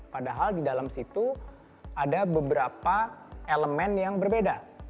padahal di dalam situ ada beberapa elemen yang berbeda